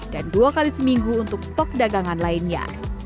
dan dua kali seminggu untuk stok dagangan lainnya